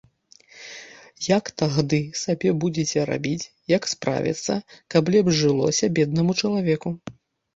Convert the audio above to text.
Як тагды сабе будзеце рабіць, як справіцца, каб лепш жылося беднаму чалавеку.